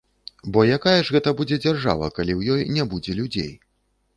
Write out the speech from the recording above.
Бо якая ж гэта будзе дзяржава, калі ў ёй не будзе людзей?!